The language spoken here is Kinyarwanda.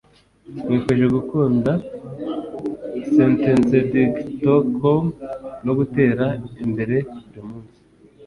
Nkwifurije gukunda sentencedictcom no gutera imbere burimunsi!